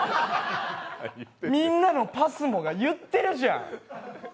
みんなのＰＡＳＭＯが言ってるじゃん。